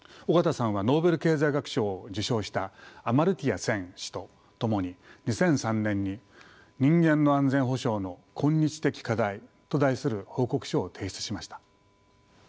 緒方さんはノーベル経済学賞を受賞したアマルティア・セン氏と共に２００３年に「人間の安全保障の今日的課題」と題する報告書を提出しました。